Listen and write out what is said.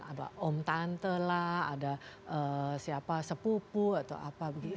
ada om tante lah ada siapa sepupu atau apa